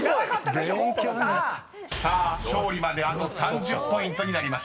［さあ勝利まであと３０ポイントになりました］